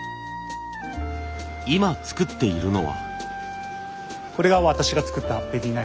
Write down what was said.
今作っているのは。